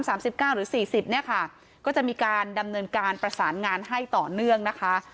เก้าหรือสี่สิบเนี้ยค่ะก็จะมีการดำเนินการประสานงานให้ต่อเนื่องนะคะ